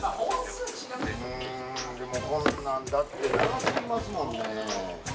うんでもこんなんだって長すぎますもんね。